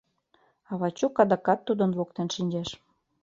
А Вачук адакат тудын воктен шинчеш.